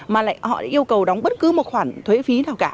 mà lại họ yêu cầu đóng bất cứ một khoản thuế phí nào cả